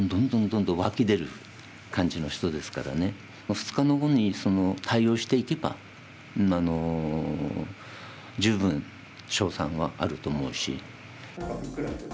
２日の碁に対応していけば十分勝算はあると思うし。